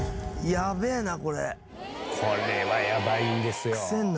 これはやばいんですよ。